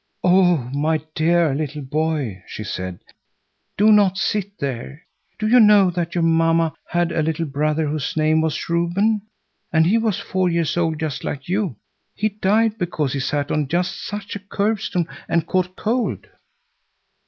"Oh, my dear little boy," she said, "do not sit there! Do you know that your mamma had a little brother whose name was Reuben, and he was four years old just like you? He died because he sat on just such a curbstone and caught cold."